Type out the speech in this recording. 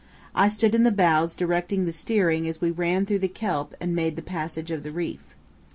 I stood in the bows directing the steering as we ran through the kelp and made the passage of the reef.